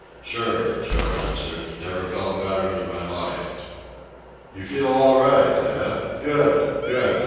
"Sure," Joe answered. "Never felt better in my life." "You feel all right, eh? Good! Good!